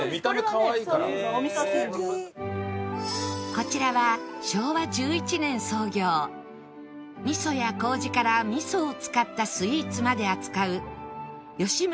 こちらは昭和１１年創業味噌や糀から味噌を使ったスイーツまで扱う吉村